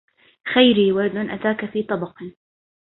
خيري ورد أتاك في طبق